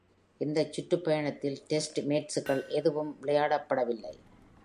இந்த சுற்றுப்பயணத்தில் டெஸ்ட் மேட்சுகள் எதுவும் விளையாடப்படவில்லை.